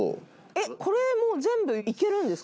えっこれも全部いけるんですか？